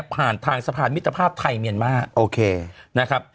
ผ่านทางสะพานมิตรภาพไทยเมียนมาร์